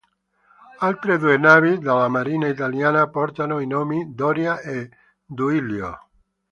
Altre due navi della Marina Italiana portano i nomi Doria e Duilio.